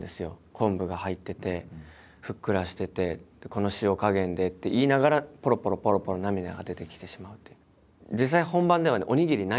昆布が入っててふっくらしててこの塩加減でって言いながらぽろぽろぽろぽろ涙が出てきてしまうという。